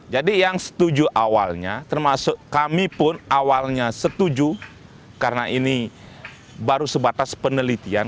jadi yang setuju awalnya termasuk kami pun awalnya setuju karena ini baru sebatas penelitian